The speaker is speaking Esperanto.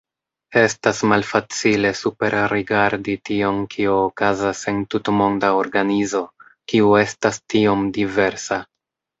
Estas malfacile superrigardi tion kio okazas en tutmonda organizo, kiu estas tiom diversa.